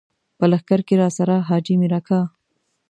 په لښکر کې راسره حاجي مير اکا.